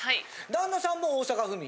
旦那さんも大阪府民？